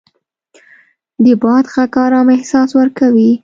د باد غږ ارام احساس ورکوي